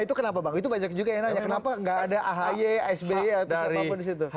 itu kenapa bang itu banyak juga yang nanya kenapa gak ada ahy sbe atau siapa pun disitu